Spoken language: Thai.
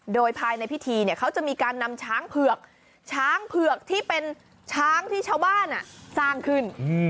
โดยภายในพิธีเนี่ยเขาจะมีการนำช้างเผือกช้างเผือกที่เป็นช้างที่ชาวบ้านสร้างขึ้น